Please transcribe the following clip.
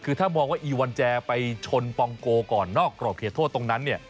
คือถ้ามองว่าอีวันแจไปชนปองโกก่อนนอกกรอบเขตโทษตรงนั้นเนี่ย